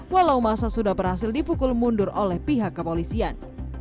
walau masa sudah berhasil dipukul mundur oleh pihak kepolisian